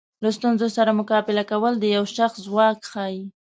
له ستونزو سره مقابله کول د یو شخص ځواک ښیي.